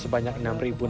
sebanyak tiga rute